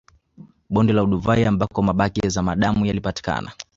Bonde la Olduvai ambako mabaki ya zamadamu yalipatikana